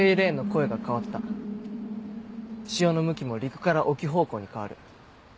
声が低くなる潮の向きも陸から沖方向に変わる。